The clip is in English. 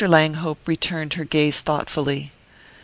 Langhope returned her gaze thoughtfully.